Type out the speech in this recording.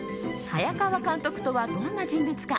早川監督とは、どんな人物か。